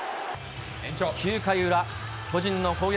９回裏、巨人の攻撃。